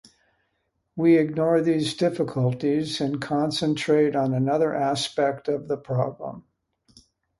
We ignore these difficulties and concentrate on another aspect of the problem.